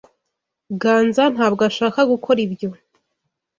Ganza ntabwo ashaka gukora ibyo.